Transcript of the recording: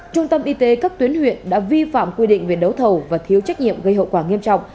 trung tâm y tế các tuyến huyện đã vi phạm quy định về đấu thầu và thiếu trách nhiệm gây hậu quả nghiêm trọng